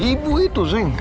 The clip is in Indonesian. ibu itu sayang